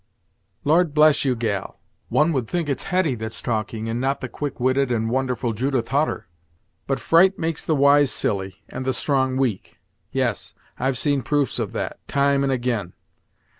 "Lord bless you! gal; one would think it was Hetty that's talking, and not the quick witted and wonderful Judith Hutter! But fright makes the wise silly, and the strong weak. Yes, I've seen proofs of that, time and ag'in!